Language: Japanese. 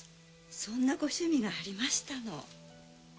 そんなご趣味がありましたの？